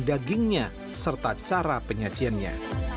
dagingnya serta cara penyajiannya